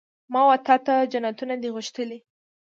ما وتا ته جنتونه دي غوښتلي